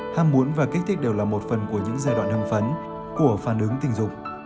ham muốn và kích thích đều là một phần của những giai đoạn âm phấn của phản ứng tình dục